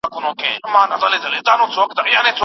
د علم لپاره سخت کار مهم دی.